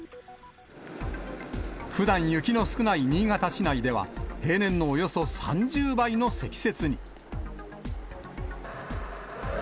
ふだん、雪の少ない新潟市内では、平年のおよそ３０倍の積雪に。